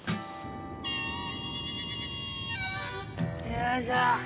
よいしょ。